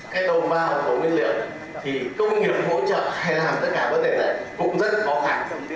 cái đồn vào của nguyên liệu thì công nghiệp hỗ trợ hay làm tất cả bất kể này cũng rất khó khẳng